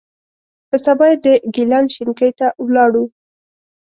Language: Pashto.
په سبا یې د ګیلان شینکۍ ته ولاړو.